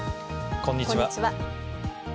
こんにちは。